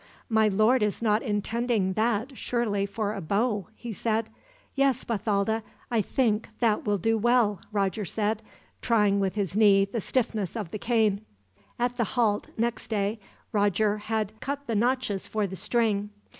"My lord is not intending that, surely, for a bow?" he said. "Yes, Bathalda, I think that will do well," Roger said, trying with his knee the stiffness of the cane. At the halt next day, Roger had cut the notches for the string.